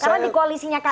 sudah jelas tidak ada